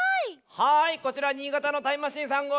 はいこちら新潟のタイムマシーン３号です。